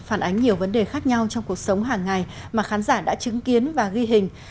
phản ánh nhiều vấn đề khác nhau trong cuộc sống hàng ngày mà khán giả đã chứng kiến và ghi hình